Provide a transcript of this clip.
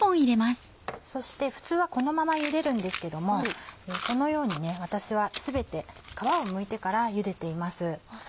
そして普通はこのままゆでるんですけどもこのように私は全て皮をむいてからゆでています。